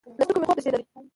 له سترګو مې خوب تښتیدلی